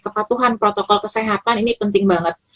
kepatuhan protokol kesehatan ini penting banget